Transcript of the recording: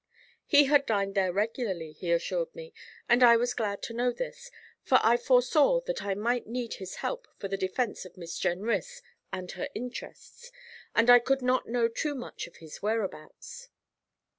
He had dined there regularly, he assured me, and I was glad to know this, for I foresaw that I might need his help in the defence of Miss Jenrys and her interests, and I could not know too much of his whereabouts.